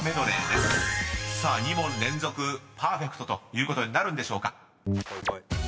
［さあ２問連続パーフェクトということになるんでしょうか］